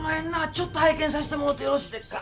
ちょっとはい見させてもうてよろしいでっか？